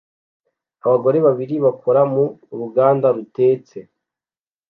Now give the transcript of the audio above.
Abagore babiri bakora mu ruganda rutetse